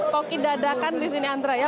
koki dadakan di sini andra ya